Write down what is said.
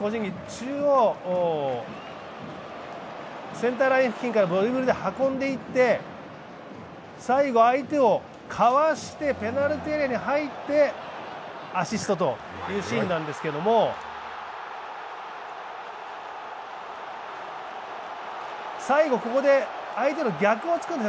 中央、センターライン付近からドリブルで運んでいって最後、相手をかわしてペナルティーエリアに入ってアシストというシーンなんですけれども、最後、ここで相手の逆を突くんです。